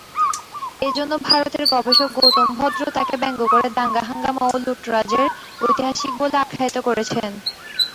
এ জন্য ভারতের গবেষক গৌতম ভদ্র তাকে ব্যঙ্গ করে ‘দাঙ্গা হাঙ্গামা’ ও ‘লুটতরাজে’র ঐতিহাসিক বলে আখ্যায়িত করেছেন।